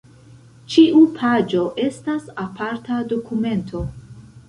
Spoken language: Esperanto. Ĉiu paĝo estas aparta dokumento.